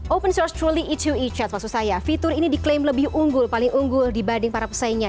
open source truly e dua e chat maksud saya fitur ini diklaim lebih unggul paling unggul dibanding para pesaingnya